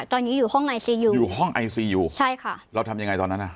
ตอนนี้อยู่ห้องไอซียูอยู่อยู่ห้องไอซียูใช่ค่ะเราทำยังไงตอนนั้นอ่ะ